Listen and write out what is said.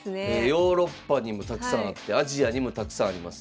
ヨーロッパにもたくさんあってアジアにもたくさんあります。